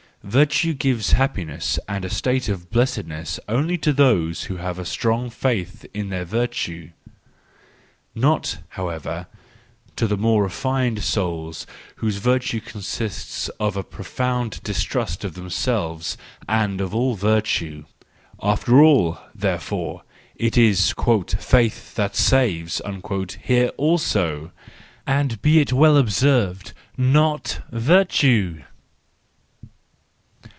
—Virtue gives happiness and a state of blessedness only to those who have a strong faith in their virtue:—not, however, to the more refined souls whose virtue consists of a profound distrust of themselves and of all virtue. After all, therefore, it is " faith that saves " here also !—and be it well observed, not virtue